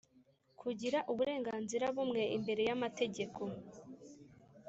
kugira uburenganzira bumwe imbere y'amategeko